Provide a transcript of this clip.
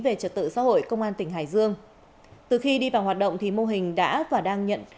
về trật tự xã hội công an tỉnh hải dương từ khi đi vào hoạt động thì mô hình đã và đang nhận